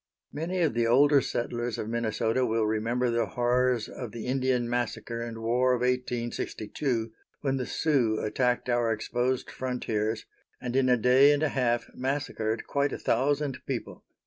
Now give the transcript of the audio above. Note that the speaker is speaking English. Many of the older settlers of Minnesota will remember the horrors of the Indian massacre and war of 1862, when the Sioux attacked our exposed frontiers, and in a day and a half massacred quite a thousand people.